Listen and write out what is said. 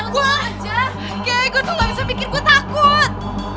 gua kay gua tuh gak bisa pikir gua takut